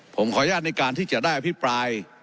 ผมขออนุญาตในการที่จะได้อภิปราย